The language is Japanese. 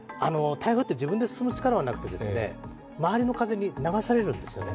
台風って自分で進む力はなくて、周りの風に流されるんですよね。